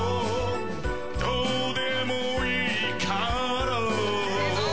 どうでもいいから